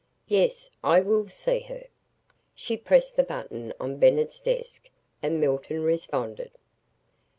"Yes I WILL see her." She pressed the button on Bennett's desk and Milton responded.